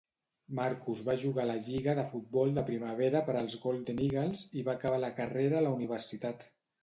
Marcus va jugar a la lliga de futbol de primavera per als Golden Eagles i va acabar la carrera a la universitat.